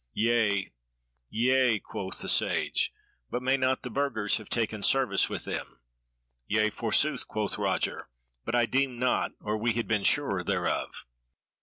"Yea, yea," quoth the Sage, "but may not the Burgers have taken service with them?" "Yea, forsooth," quoth Roger, "but I deem not, or we had been surer thereof."